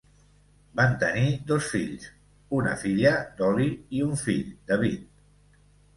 Van tenir dos fills, una filla, Doli, i un fill, David.